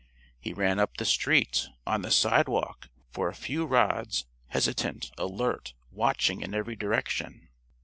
He ran up the street, on the sidewalk, for a few rods, hesitant, alert, watching in every direction.